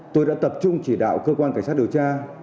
tôi đã tập trung chỉ đạo cơ quan cảnh sát điều tra